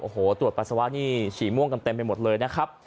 โอ้โหตรวจปัสสาวะนี่ฉี่ม่วงกันเต็มไปหมดเลยนะครับ